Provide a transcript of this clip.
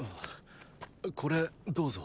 これどうぞ。